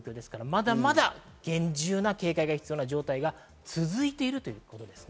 まだまだ厳重な警戒が必要な状態が続いているということです。